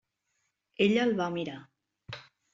Ella el va mirar.